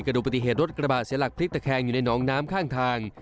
ดูปฏิเหตุรถกระบะเสียหลักพลิกตะแคงอยู่ในน้องน้ำข้างทาง